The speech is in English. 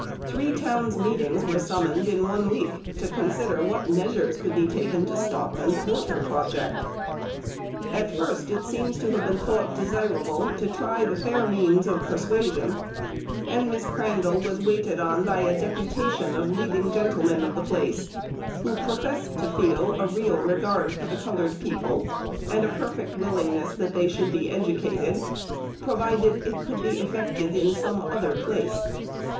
Three town's meetings were summoned in one week to consider what measures could be taken to stop and thwart her project. At first it seems to have been thought desirable to try the fair means of persuasion, and Miss Crandall was waited on by a deputation of leading gentlemen of the place, who professed to feel "a real regard for the coloured people, and perfect willingness that they should be educated, provided it could be effected in some other place."